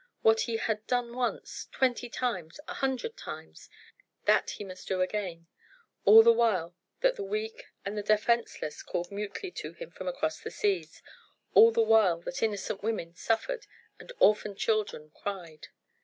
What he had done once, twenty times, an hundred times, that he must do again, all the while that the weak and the defenceless called mutely to him from across the seas, all the while that innocent women suffered and orphaned children cried.